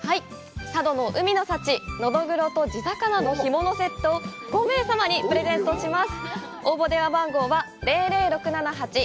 佐渡の海の幸のどぐろと地魚の干物セットを５名様にプレゼントします